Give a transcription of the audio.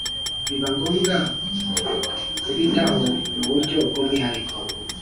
biba ngombwa kubitaho mu buryo bw’umwihariko